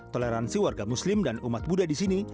toleransi warga muslim dan umat buddha di sini